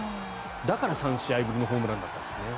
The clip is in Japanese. だから３試合ぶりのホームランだったんですね。